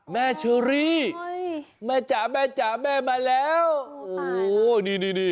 แม่เชอรี่